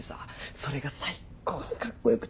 それが最高にカッコ良くて。